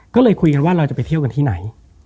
ก็เลยคุยกันว่าเราจะไปเที่ยวกันที่ไหน